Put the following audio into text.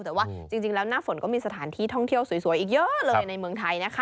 แต่ว่าจริงแล้วหน้าฝนก็มีสถานที่ท่องเที่ยวสวยอีกเยอะเลยในเมืองไทยนะคะ